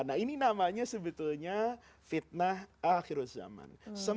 nah ini namanya sebetulnya fitnah akhirul zaman